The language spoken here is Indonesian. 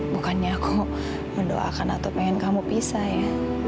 bukannya aku mendoakan atau pengen kamu pisah ya